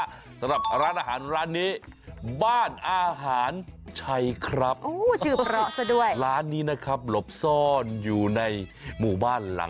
สำหรับร้านอาหารร้านนี้บ้านอาหารใช่ครับ